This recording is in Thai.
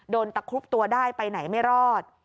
โดนประคุบตัวได้ไปไหนไม่รอด